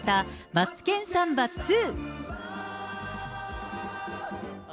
マツケンサンバＩＩ。